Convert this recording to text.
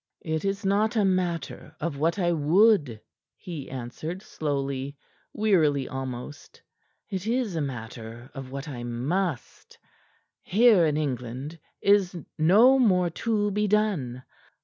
"It is not a matter of what I would," he answered slowly, wearily almost. "It is a matter of what I must. Here in England is no more to be done.